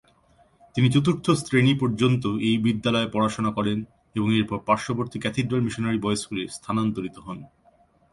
তিনি চতুর্থ শ্রেণি পর্যন্ত এই বিদ্যালয়ে পড়াশোনা করেন এবং এরপর পার্শ্ববর্তী ক্যাথিড্রাল মিশনারি বয়েজ স্কুলে স্থানান্তরিত হন।